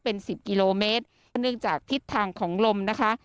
เป็นสิบกิโลเมตรเนื่องจากทิศทางของลมนะคะ